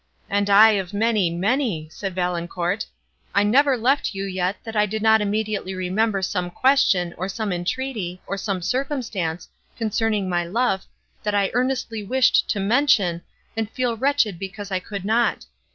"And I of many—many!" said Valancourt; "I never left you yet, that I did not immediately remember some question, or some entreaty, or some circumstance, concerning my love, that I earnestly wished to mention, and feel wretched because I could not.